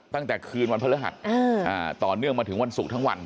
ตั้งแต่คืนวันพระฤหัสต่อเนื่องมาถึงวันศุกร์ทั้งวัน